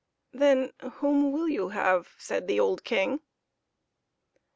" Then who will you have ?" said the old King.